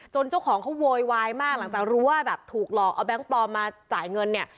เจ้าของเขาโวยวายมากหลังจากรู้ว่าแบบถูกหลอกเอาแก๊งปลอมมาจ่ายเงินเนี่ย